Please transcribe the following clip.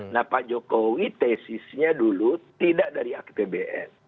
nah pak jokowi tesisnya dulu tidak dari apbn